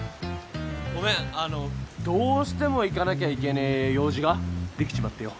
ごめんあのどうしても行かなきゃいけねえ用事ができちまってよ。